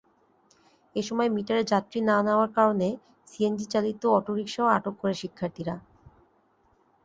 এ সময় মিটারে যাত্রী না নেওয়ার কারণে সিএনজিচালিত অটোরিকশাও আটক করে শিক্ষার্থীরা।